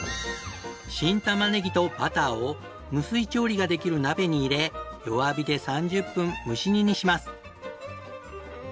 新たまねぎとバターを無水調理ができる鍋に入れ弱火で３０分蒸し煮にします。